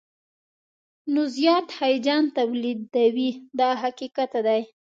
نو زیات هیجان تولیدوي دا حقیقت دی.